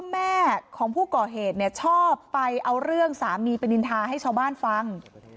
แม่ของผู้ก่อเหตุชอบไปเอาเรื่องสามีไปนินทาให้ชาวบ้านฟัง